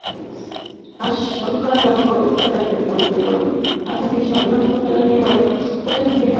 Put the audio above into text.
আশঙ্কাজনক অবস্থায় তাদের পঞ্চগড় আধুনিক সদর হাসপাতালে নেওয়ার পথে দুজনেরই মৃত্যু হয়।